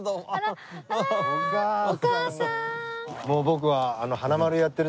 もう僕は。